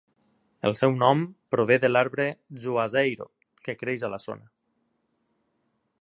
El seu nom prové de l'arbre "juazeiro", que creix a la zona.